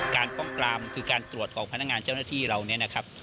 การป้องกรามคือการตรวจของพนักงานเจ้าหน้าที่เรา